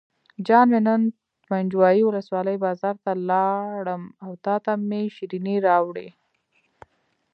جان مې نن پنجوایي ولسوالۍ بازار ته لاړم او تاته مې شیرینۍ راوړې.